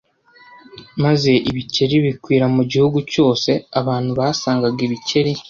maze ibikeri bikwira mu gihugu cyose Abantu basangaga ibikeri